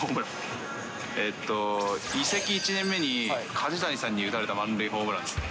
えっと、移籍１年目に梶谷さんに打たれた満塁ホームランですね。